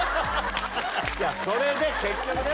いやそれで結局ね